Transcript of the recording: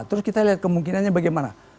terus kita lihat kemungkinannya bagaimana